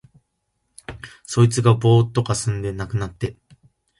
そいつがぼうっとかすんで無くなって、